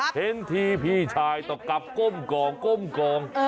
เห็นทีพี่ชายต้องกลับก้มกองก้มกอง